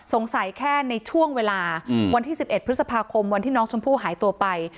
สงสัยแค่ในช่วงเวลาอืมวันที่สิบเอ็ดพฤษภาคมวันที่น้องชมพู่หายตัวไป